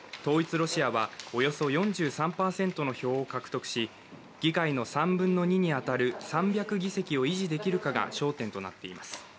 ロシアはおよそ４３％の票を獲得し、議会の３分の２にアタル３００議席を意地できるかが焦点となっています。